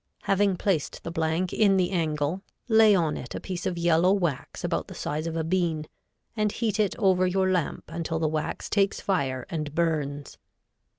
Having placed the blank in the angle, lay on it a piece of yellow wax about the size of a bean, and heat it over your lamp until the wax takes fire and burns.